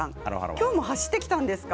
今日も走って来たんですか？